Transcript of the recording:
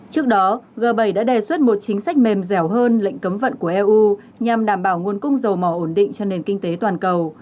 trước đó g bảy đã đề xuất một chính sách mềm dẻo hơn lệnh cấm vận của eu nhằm đảm bảo nguồn cung dầu mỏ ổn định cho nền kinh tế toàn cầu